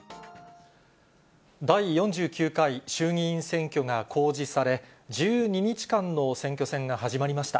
第４９回衆議院選挙が公示され、１２日間の選挙戦が始まりました。